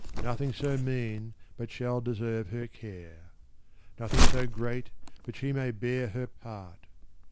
Nothing so mean, but shall deserve her care: Nothing so great, but she may bear her part.